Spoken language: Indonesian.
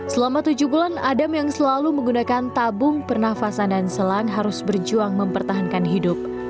selama tujuh bulan adam yang selalu menggunakan tabung pernafasan dan selang harus berjuang mempertahankan hidup